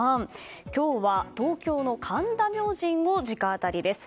今日は東京の神田明神を直アタリです。